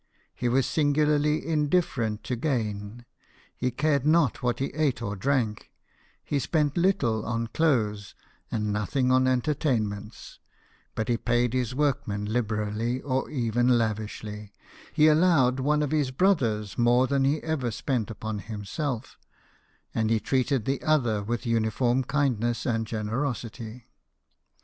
He was singularly indifferent to gain ; he cared not what he eat or drank ; he spent little on clothes, and nothing on entertainments ; but he paid his workmen liberally or even lavishly ; he allo\ved one of his brothers more than he ever spent upon himself, and he treated the other with uniform kindness and generosity.